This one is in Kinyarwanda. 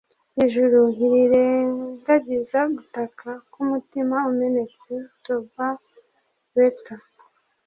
ijuru ntirirengagiza gutaka k'umutima umenetse. - toba beta